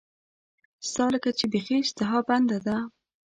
ستا لکه چې بیخي اشتها بنده ده.